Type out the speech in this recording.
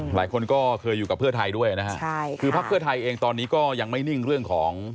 หลายคนก็เคยอยู่กับเพื่อไทยด้วยนะฮะใช่คือพักเพื่อไทยเองตอนนี้ก็ยังไม่นิ่งเรื่องของ